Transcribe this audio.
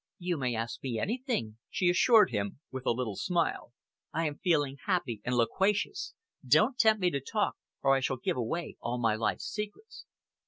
"You may ask me anything," she assured him, with a little smile. "I am feeling happy and loquacious. Don't tempt me to talk, or I shall give away all my life's secrets."